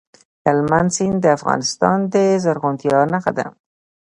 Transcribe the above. هلمند سیند د افغانستان د زرغونتیا نښه ده.